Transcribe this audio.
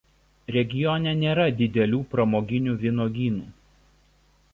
Regione nėra didelių pramoninių vynuogynų.